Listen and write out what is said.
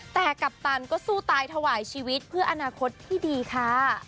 แต่กัปตันก็สู้ตายถวายชีวิตเพื่ออนาคตที่ดีค่ะ